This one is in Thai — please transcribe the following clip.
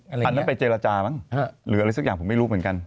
อันนั้นไปเจรจามั้งหรืออะไรสักอย่างผมไม่รู้เหมือนกัน